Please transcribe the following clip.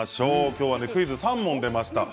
今日はクイズが３問出ました。